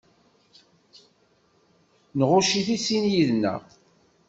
Nɣucc-it i sin yid-nneɣ.